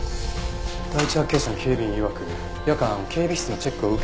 第一発見者の警備員いわく夜間警備室のチェックを受け